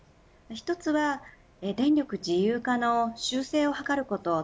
１つは電力自由化の修正を図ること。